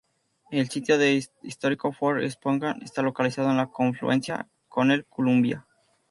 El sitio del histórico Fort Spokane está localizado en la confluencia con el Columbia.